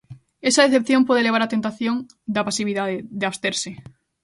Esa decepción pode levar á tentación da pasividade, de absterse.